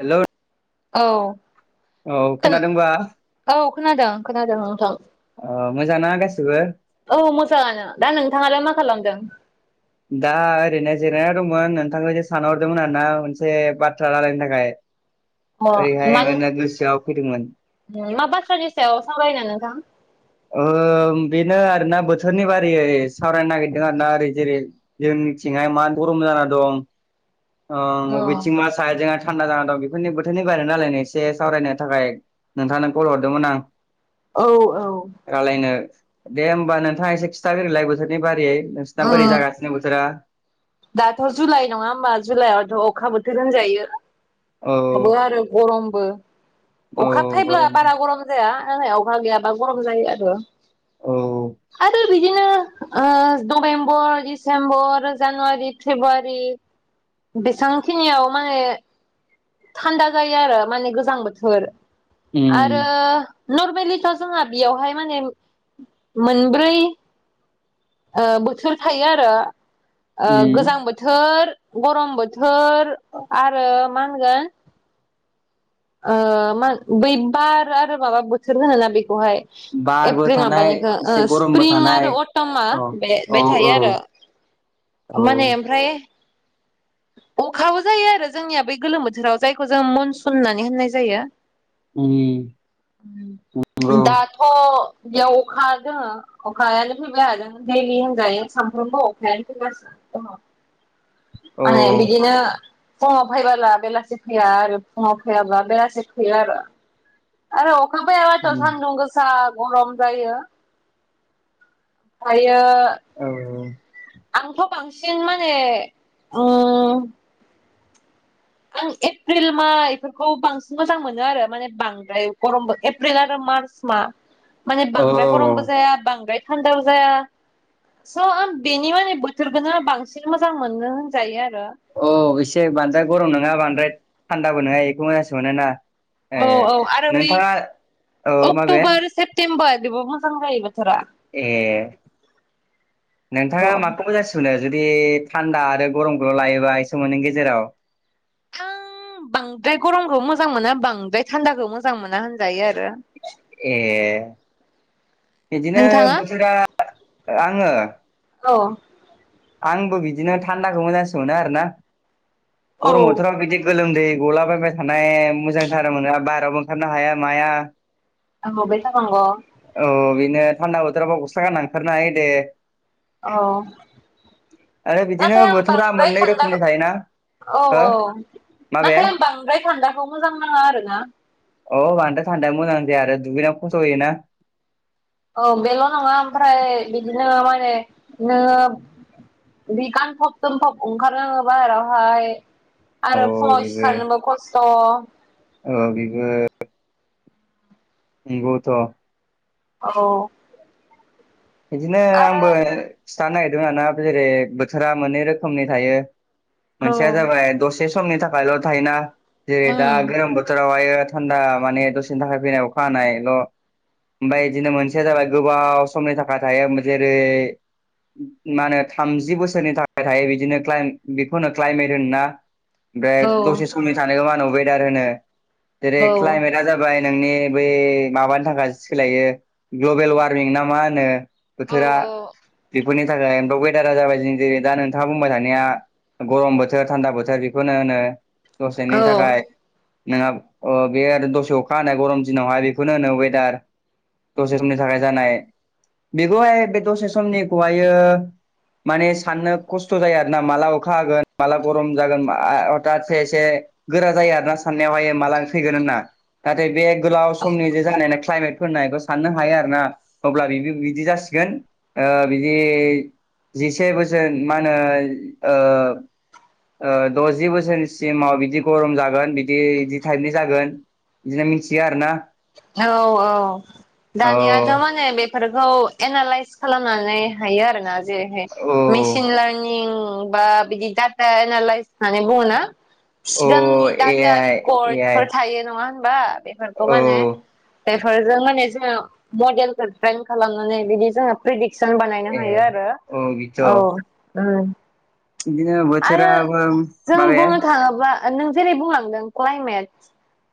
Hello औ औ खो खोनादोंबा औ खोनादों खोनादों नोंथां ओ मोजांना गासिबो औ मोजाङानो दा नोंथाङालाय मा खालामदों । दा ओरैनो जिरायना दंमोन नोंथांखौ एसे सानहरदोंमोन आरोना मोनसे बाथ्रा रायलायनो थाखाय । अ फैदोंमोन मानि मा बाथ्रानि सायाव सावरायनो नोंथां । ओ ओम बेनो आरोना बोथोरनि बारियै सावरायनो नागिरदों आरोना ओरै जेरै जोंनिथिंहाय मा गरम जाना दं ओ अ बबेथिं मा सायदजों थान्दा जाना दं बेफोरनि बोथोरनि बारैनो रायलायनो एसे सावरायनो थाखाय नोंथांनो कल हरदोंमोन आं । औ औ दे होमबा नोंथाङा एसे खिथााग्रोनोलाय बोथोरनि बारियै नोंसोरना बोरै उम जागासिनो बोथोरा । दाथ' जुलाइ नङा होमबा जुलाइआवथ' अखा बोथोर होनजायो । औ अखाबो आरो गरमबो औ अखा फाइब्ला गरमबो बारा गरम जाया । सानाव अखा गैयाबा गरम जायो आरो औ आरो बिदिनो ओ नभेम्बर डिसेम्बर जानुवारि फेब्रुवारि बेसांखिनियाव माने थान्दा जायो आरो माने गोजां बोथोर आरो उम नर्मेलिथ' जोंहा बेयावहाय माने मोनब्रै ओ बोथोर थायो आरो ओ गोजां उम बोथोर गरम बोथोर आरो मा होनगोन ओ मा बै बार आरो माबा बोथोर होनोना बे खौहाय बारबो एप्रिल थानाय माबानिखौ एसे गरमबो स्प्रिं थानाय आरो अटमा अ बे औ बे औ थायो आरो औ माने ओमफ्राय अखाबो जायो आरो जोंनिया बै गोलोम बोथोराव जायखौ जों मनसुन होननानै होननाय जायो उम नंगौ । दाथ' बेयाव अखा दोङो अखायानो फैबाय हादों दैलि होनजायो सानफ्रोमबो अखायानो फैगासिनो दंङ औ माने बिदिनो फुङाव फैबोला बेलासि फैया आरो फुङाव फैयाब्ला बेलासि फैयो आरो आरो अ खा फायाब्लााथ' उम सान्दुं गोसा गरम जायो । ओमफायो औ आंथ' बांसिन माने उम आं एप्रिल माहा बेफोरखौ बांसिन मोजां मोनो आरो माने बांद्राय गरमबो एप्रिल आरो मार्च मा माहा औ बांद्राय गरमबो औ जाया बांद्राय थान्दाबो जाया । स' आं बेनि माने बोथोरखोनो बांसिन मोजां मोनो होनजायो आरो । अ एसे बांद्राय गरम नङा बांद्राय थान्दाबो नङा बेखौ मोजांसिन मोनोना । औ औ आरो बै औ माबे अक्ट'बर सेप्तेम्बर बेबो मोजां जाहैबाय । ए औ नोंथाङा माखौ मोजांसिन मोनो जुदि थान्दा आरो गरमखौल' लायोबा एसे मोननैनि गेजेराव आं बांद्राय गरमखौ मोजां मोना बांद्राय थान्दाखौ मोजां मोना होनजायो आरो। ए बिदिनो नोंथाङा बोथोरा आङो औ आंबो बिदिनो थान्दाखौ मोजांसिन मोनो आरोना औ गरम बोथोराव बिदि गोलोमदै गलाबायबाय थानाय मोजांथारा मोना बाहेरायावबो ओंखारनो हाया माया आं बबे थानांग औ बेनो थान्दा बोथोराबा गस्ला गानना ओंखारनो हायो दे । औ आरो बिदिनो नाथाय आं बोथोरा बांद्राय मोननै रोखोमनि थान्दाखौ थायोना औ हो औ माबे नाथाय आं बांद्राय थान्दाखौ मोजां नाङा आरो ना अ बान्दो थान्दा मोजां जाया आरो दुगैना फस'योना औ बेल' नङा ओमफ्राय बिदिनो माने नोङो बि गानफब जोमफब ओंखारोङो बाहेरावहाय औ आरो फुंआव बेबो सिखारनोबो खस्थ' औ बेबो नोंगौथ' औ बिदिनो आंबो खिथानो नागिरदों आरोना जेरै बोथोरा मोननै रोखोमनि थायो । औ मोनसेया जाबाय दसे समनि थाखायल' थायोना जेरै दा उम गोलोम बोथोरावहाय थान्दा माने दसेनि थाखाय फैनाय अखा हानायल' ओमफ्राय बिदिनो मोनसेया जाबाय गोबाव समनि थाखाय थायो जेरै मा होनो थामजि बोसोरनि थाखाय थायो बिदिनो क्लाइन बेखौनो क्लाइमेट होनोना । ओमफ्राय औ दसे समनि थानायखौ मा होनो वेदार होनो जेरै औ क्लाइमेटआ जाबाय नोंनि बै माबानि थाखाय सोलायो ग्लबेल वारमिं ना मा होनो औ बोथोरा बेफोरनि थाखाय म वेदारा जाबाय जेरै दा नोंथाङा बुंबाय थानाया गरम बोथोर थान्दा बोथोर बेखौनो होनो औ दसेनि थाखाय नोंहा बे आरो दसे अखा होनाय गरम दिनावहाय बेखौनो होनो वेदार दसे समनि थाखाय जानाय बेखौहाय बे दसे समनिखौहायो माने साननो खस्थ' जायो आरोना माला अखा होगोन माला गरम जागोन हथातसे एसे गोरा जायो आर ना साननायावहाय माला फैगोन होनना नाथाय बे गोलाव समनि जे जानाय क्लायमेटफोरनाय साननो हायो आरो ना अब्ला बेबो बिदि जासिगोन ओ बिदि जिसे बोसोर मा होनो ओ दजि बोसोरनिसिमाव बिदि गरम जागोन बिदि बिदि टाइपनि जागोन बिदिनो मिथिया आरोना। औ औ औ दानियाथ' माने बेफोर खौ एनालइस खालामनानै हायो आरोना जेरैहाय औ मेसिन लार्निं बा बिदि दाता एनालाइस होननानै बुङो ना। औ सिगांनि ए डाटा आइ ए रेकर्ड आइ फोर थायो नङा होनबा बेफोरखौ औ माने बेफोरजों माने जोङो मडेलखौ प्रेंक खालामनानै बिदि जोङो प्रेदिक्त जों बानायनो ए हायो आरो औ बिथ' औ उ। बिदिनो आरो बोथोराबो जों माबाया बुंनो थाङोब्ला नों जेरै बुंलांदों क्लाायमेट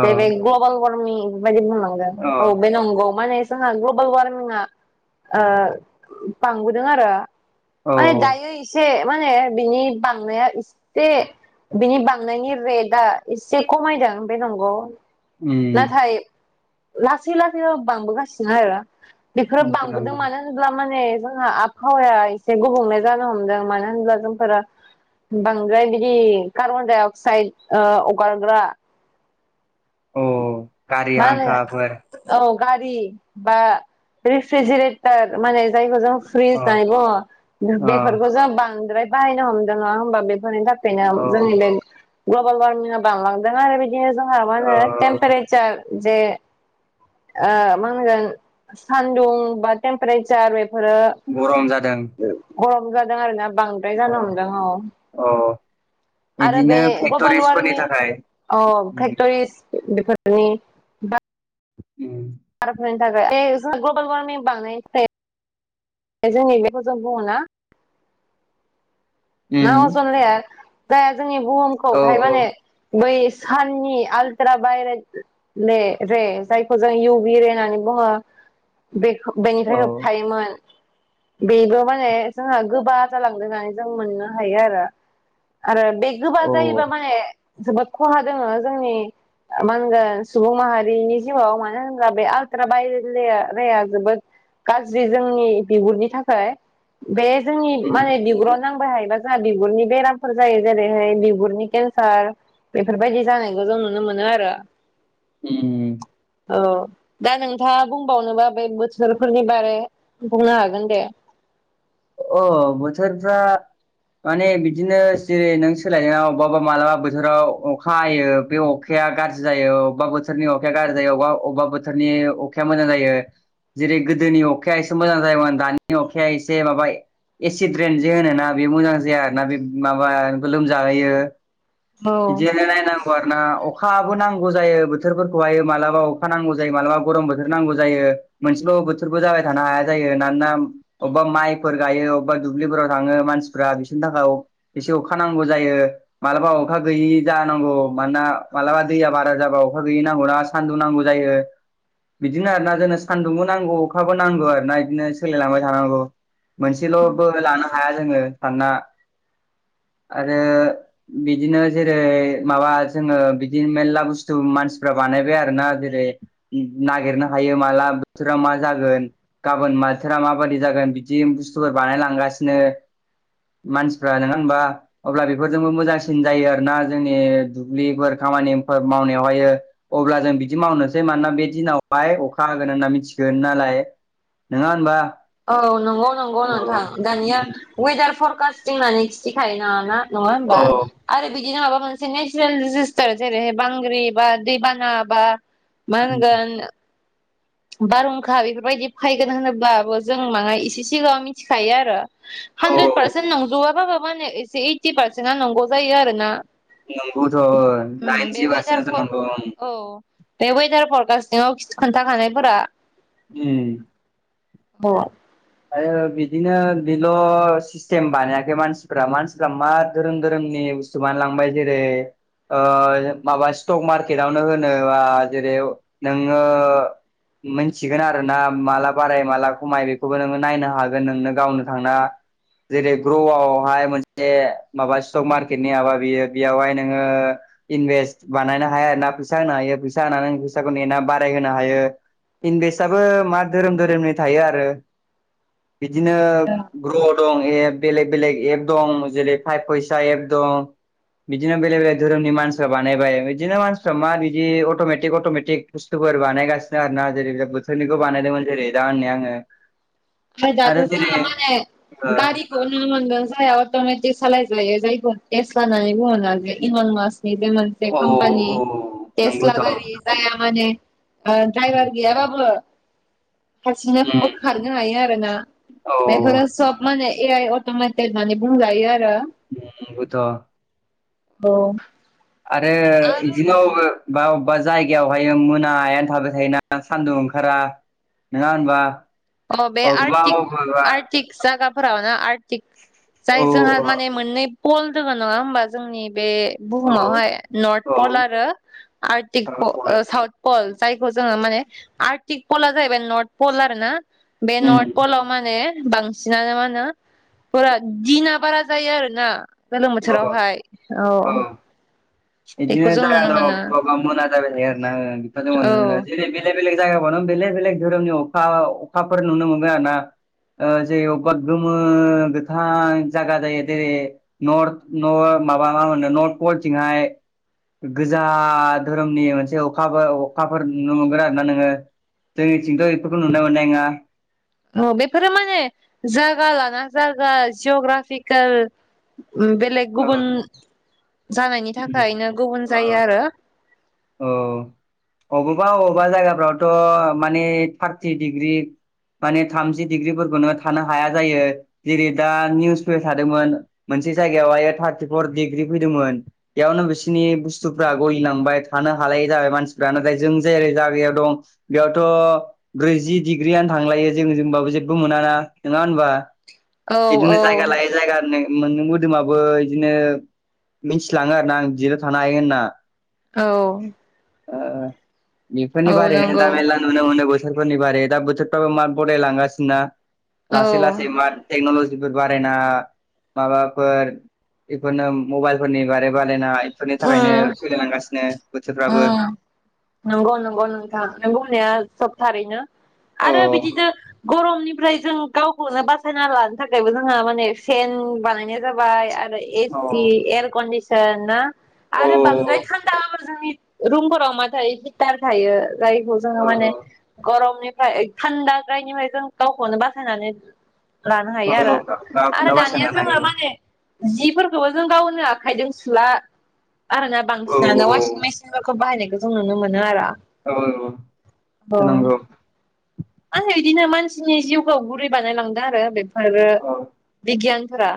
अ जेरै ग्लबेल वारमिं दि बुंलांदों अ बे नंगौ माने जोंहा ग्लबेल वारमिंआ ओ बांबोदों आरो। औ माने दायो एसे माने बिनि बांनाया एसे बिनि बांनायनि रेटआ एसे खमायदों बेयो नंगौ । उम नाथाय लासै लासै बांबो गासिनो आरो बेफोरो बांबोदों मिथिनांदों मानो होनब्ला माने जोंहा आबहावाया एसे गुबुंले जानो हमदों मानो होनब्ला जोंफोरो बांद्राय बिदि कार्बन डाइ अक्साइद ओ अगारग्रा अ मा गारिया आंखाफोर होनो औ गारि बा रेफ्रिजेरेटर माने जायखौ जों फ्रिज अ डायब अ बेफोरखौ जों बांद्राय बाहायनो हमदों नङा होमबा बे फोरनि थाखायनो औ जोंनि बे ग्लबेल वारमिंआ बांलांदों आरो बि दिनो जोंहा मा औ होनो टेमपेरेचार जे ओ मा होनगोन सान्दुं बा टेमपेरेचार बे गरम जादों गरम जादों आरो ना बांद्राय अ जानो हमदों औ औ आरो बिदिनो बे ग्लबेल फेक्ट'रिसफोरनि वारमिं थाखाय अ उम फेक्टरिस [unintelligible] उम [unintelligible] जोंनि बेखौ जों बुङो ना ना उम अजन लेयार जाया जोंनि औ बुहुमखौहाय माने बै साननि आलट्रा भाइरेट रे रे जायखौ जों इउ बि रे होननानै बुङो बेखो औ बेनिफ्राय होबथायोमोन बेबो माने जोंहा गोबा जालांदों होननानै जों मोननो हायो आरो आरो बे गोबा औ जायोबा माने जोबोद खहा दोङो जोंनि मा होनगोन सुबुं माहारिनि जिउआव मानो होनोब्ला बे आलट्रा बायर लेया रेया जोबोद गाज्रि जोंनि बिगुरनि थाखाय बे जोंनि उम माने बिगुराव नांबाय हायोबा जाङा बिगुरनि बेरामफोर जायो जेरैहैयै बिगुरनि केन्सार बेफोर बायदि जानायखौ जों नुनो मोनो आरो उम औ दा नोंथाङा बुंबावनोबा बे बोथोरफोरनि बारै बुंनो हागोन दे अ बोथोर जा माने बिदिनो जेरै नों सोलायनायाव अबाबा मालाबा बोथोराव अखा हायो बे अखाया या गाज्रि जायो अबेबा बोथोरनि अखाया गाज्रि जायो अबा अबेबा बोथोरनि अखाया मोजां जायो जेरै गोदोनि अखाया एसे मोजां जायोमोन दानि अखाया एसे माबा ए एसिड रेन जे होनो ना बे मोजां जाया आरोना बे माबा लोमजा होयो औ बिदियैनो नायनांगौ आरो ना अखा बो नां गौ जायो बोथोरफोरखौहाय मालाबा अखा नांगौ जायो मालाबा गरम बोथोर नांगौ जायो मोनसेल बोथोरबो जाय थानो हाया जायो ना नोना अबेबा माइफोर गायो अबेबा दुब्लिफोराव थाङो मानसिफ्रा बिसोरनि थाखाय एसे अखा नांगौ जायो मालाबा अखा गैयि जानांगौ मानोना मालाबा दैया बारा जाबा अखा गैयि नांगौना सान्दुं नांगौ जा यो बिदिनो आरो ना जोंनो सानदुंबो नांगौ अखाबो नांगौ आरोना इदिनो सोलायलांबाय थानांगौ मोनसेलबो लानो हाया जोङो मानोना आरो बिदिनो जेरै माबा जोङो बिदि मेलला बुस्थु मानसिफ्रा बा बानायबाय आरोना जेरै नागिरनो हायो माला बोथोरा मा जागोन गाबोन मा बोथोरा माबादि जागोन बिदि बुस्थुफोरा बानायलांगासिनो मानसिफ्रा नङा होमबा अब्ला बेफोरजोंबो मोजांसिन जायो आरोना जोंनि दुब्लिफोर खामानिफोर मावनायावहायो अब्ला जों बिदि मावनोसै मानोना बे दिनावहाय अखा होगोन होनना मिथियो दोन नालाय नङा होनबा औ नंगौ नंगौ नोंथां अ दानिया वेदार फरकास्टिं होननानै खिथिखायो ना ना नङा होमबा औ आरो बि दिनो माबा मोनसे नेचनेल दिजेसथार जेरैहै बांग्रिं बा दैबाना बा मा होनगोन बारहुंखा बेफोरबायदि फायगोन होनोब्लाबो जों माना इसे सिगाङाव मिथिखायो आरो औ हानद्रेद औ पारसेन्ट नंजोबआा बाब म एसे ओइटि पारसेन्टा नंगौ जायो आरो ना। नंगौथ' नाइनज वेदार बारसेाथ' फर नंगौ। औ बे वेदारफोर गाासाव खोन्थाखानायफोरा ओम। औ। आरो बिदिनो बेल' सिस्टेम बानायाखै मानसिफ्रा मानसिफ्रा मा धोरोम धोरोमनि थ मानो लांबायजो रे माबा स्टक मार्केटावनो होनोबा जेरै नोङो मोनथिगोन आरो ना माला बाराय माला खमाय बे बो नोङो नायनो हागोन नोंनो गावनो थांना जेरै ग्र'आवहाय मोनसे माबा स्टक मार्केटनि माबा बियो बेयावहाय नोङो इनभेस्ट बानायनो हाया आरोना फैसा होनो हायो फैसा होनानै फैसाखौ नेा बाराय होनोनो हायो। इनभेस्टआबो मा धोरोम धोरोमनि थायो आरो। बिदिनो ग्रथ दं एप बेलेग बेलेग एप दं जेरै पाइभ फैसा एप दं। बिदिनो बेलेग बेलेग धोरोमनि मानसिफ्रा बानायबाय बिदिनो मानसिफ्रा मा बिदि अट'मेटिक अट'मेटिक बुस्थु फोर बानायगासिनो आरो ना जेरै बोथोरनिखौ बानायदोंमोन जेरै दा होनै आङो आ जाथ आरो ज जेरै मान गारिखौ न मोनांगोन ज त म सालायजायो जायखौ टेस्ट लानानै बुङोन जे इमन मासनि जे मोनसे ओ औ कम्पानि औ टेस्ला नंगौथ' गारि जाया माने उम, द्रायभार गैयाबाबो हारसिनो खारनो हायो आरोोना औ बेफोरो सब माने ए अथ म मनानै बुंजायो आरो नंगौथ औ आरो आरो बिदिनो बा अबेबा जायगायावहाय मोनायानो थाबाय थायोना सान्दुं ओंखारा नोङा होनबा अ बे अबेबा आरटि अबेबा आर्टिक जायागाफोरावनो आर औ जाय जोंहा माने मोननै बल दोङ नङा होमबा जोंनि बे औ बुहुमावहाय नर्थ औ पल आरो आर्टिकल साउथ पल जायखौ जोङो माने आर्टिक पल जाहैबाय नर्थ पल आर ना बे उम नर्थ पलव माने बांसिनानो मा होनो फुरा दिना बारा जायो आरोना। गोलोम बोथोरावहाय औ बिदिनो बेखौ जों जाय नुनो द मोनो बबबा मोना जाबायलाय बेखौ औ ज जेरै बेले बे बेलेग जायगा ब बेलेग बेलेग धोरोमनि अखा अखाफोर नुनो मोनगो आरो ना जेर अगद गोमो गोथां जायगा जायो जेरै नर् माबा मा होनो नर् पलथिंहाय गोजा धोरोमनि मोनसे अखााबो अखाफोर नुनो मोनगोन आरोना नोङो जोंनिथिंथ' बेफोरखौ नुना मोननाय नङा अ बेफोरो माने जायगा लाना जायगा जिअग्राफिकेल बेलेग गुबुन जानायनि थाखायनो गुबुन जायो आरो। औ अबावबा अबावबा जायगाफ्रावथ' माने थारटि डिग्रि माने थामजि डिग्रिफोरखौ नो थानो हाया जायो जेरै दा निउस पे थादोंमोन मोनसे जायगायावह थार्टिफर डिग्रि फैदोंमोन बेयावनो बिसोरनि बुस्थुफ्रा गलिलांबाय। थानो हालाय जाबाय मानसिफ्रा नाथाय जों जायै जागायाव दं बेयावथ' ब्रैजि डिग्रियानो थांलायो जों जोंबाबो जेबबो मोन ना नङा होनबा औ बिदिनो औ जायगा लायो जायगानो मोन मोदोमाबो बिदिनो मिथिलाङो आरो ना आं बिराव थानो हायो होनना [inaudible] ओ बेफोरनि औ बारैनो दा नंगौ मेरला नुनो मोनो बोथोर फोरनि बारै दा बोथोरफ्राबो मा गदायलांगासिनोना औ लासै लासै मा टेकनलजि बिफोर बारायना माबाफोर बेफोरनो मबाइल फोरनि बारै बारायनाय बिफोरनि थाखायनो सोलिलांगासिनो। बोथोरफ्राबो ओम नंगौ नंगौ नोंथां नों बुंनाया सबथारैनो। औ आरो बिदिनो गरमनिफ्राय जों गावखौ बाय आरो औ एसि एयारकन्दिसोन ना औ आरो बांद्राय थान्दाबो जोंनि रुमफोराव मा थायो हिटार थायो जायखौ जोङो औ माने गरमनि फ्राय थान्दा जायनिफ्राय जों गावखौनो बासायनानै लानो औ हायो आरो औ आरो गावखौनो दानिया बासायनो जोंहा नागिरो माने जिफोरखौबो जों गावनो आखायजों सुला आरोना औ बांसिनानो वासिं मेसिन फोरखो बाहायनायखौ जों नुनो मोनो आरो औ नंगौ अ मा नंगौ। होनो बिदिनो मानसिनि जिउखौ गुरै बानायलांदों आरो बेफोरो औ बिगियानफोरा।